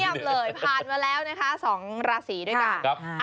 เงียบเลยผ่านมาแล้วนะคะสองราศีด้วยกัน